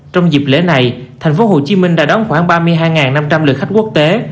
trong dịp lễ này tp hcm đã đón khoảng ba mươi hai năm trăm linh lượt khách quốc tế